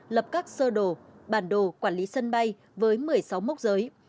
lập các sơ đồ bản đồ quản lý sân bay với một mươi sáu mốc giới